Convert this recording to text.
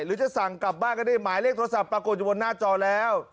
หรือจะสั่งกลับบ้านก็ได้หมายเลขโทรศัพท์ปรากฏอยู่บนหน้าจอแล้ว